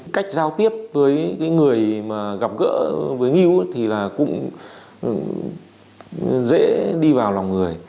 cách giao tiếp với người gặp gỡ với ngư thì cũng dễ đi vào lòng người